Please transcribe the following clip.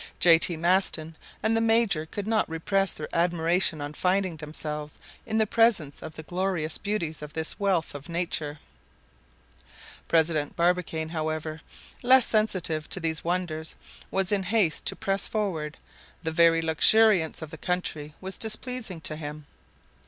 J. T. Maston and the major could not repress their admiration on finding themselves in the presence of the glorious beauties of this wealth of nature. President Barbicane, however, less sensitive to these wonders, was in haste to press forward; the very luxuriance of the country was displeasing to him.